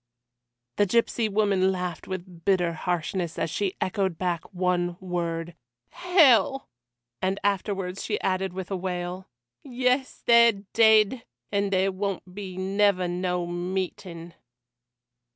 The gipsy woman laughed with bitter harshness as she echoed back the one word "Hell!" and afterwards she added with a wail: "Yes, they're dead! and there won't be never no meeting."